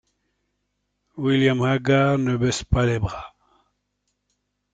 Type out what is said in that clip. William Haggar ne baisse pas les bras.